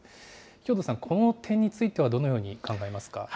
兵頭さん、この点についてはどのように考えますか？